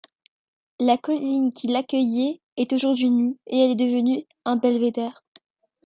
La colline qui l'accueillait est aujourd'hui nue et elle est devenue un belvédère.